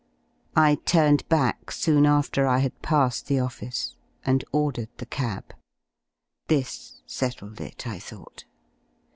I turned back soon after I had passed the office and ordered the cab. This settled it, I thought.